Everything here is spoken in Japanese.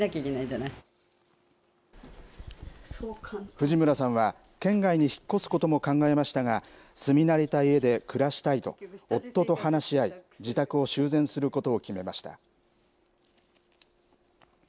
藤村さんは、県外に引っ越すことも考えましたが、住み慣れた家で暮らしたいと、夫と話し合い、自宅を修繕することを決めました。